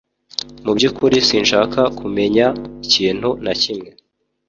Mubyukuri sinshaka kumenya ikintu na kimwe